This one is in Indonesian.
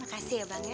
makasih ya bang ya